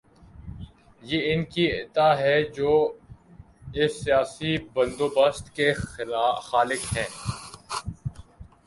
یہ ان کی عطا ہے جو اس سیاسی بندوبست کے خالق ہیں۔